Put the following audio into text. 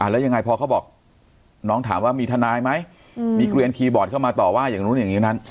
แล้วยังไงพอเขาบอกน้องถามว่ามีทนายไหมมีเกลียนคีย์บอร์ดเข้ามาต่อว่าอย่างนู้นอย่างนี้นั้น